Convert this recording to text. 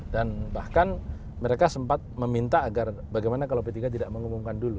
dan bahkan mereka sempat meminta bagaimana kalau p tiga tidak mengumumkan dulu